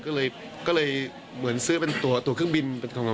ก็เลยเขาเหมือนซื้อเป็นตัวเครื่องบินปฏิบันเกิด